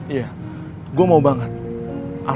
iya gue mau banget